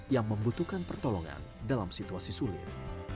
yang membutuhkan pertolongan dalam situasi sulit